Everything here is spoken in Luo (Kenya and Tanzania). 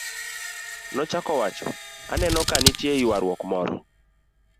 nochako wacho, aneno ka nitie ywaruok moro